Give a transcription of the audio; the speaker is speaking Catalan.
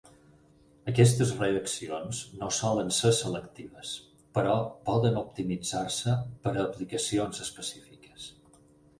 Aquestes reaccions no solen ser selectives, però poden optimitzar-se per a aplicacions específiques.